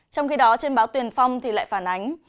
trong khi đó trên báo tuyền phong thì lại phản ánh